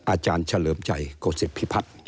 อาจารย์เฉลิมชัยโกศิษภิพัฒน์